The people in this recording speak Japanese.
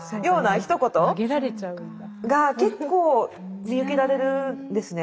ひと言が結構見受けられるんですね。